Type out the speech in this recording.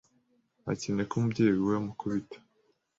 akeneye ko umubyeyi we amukubita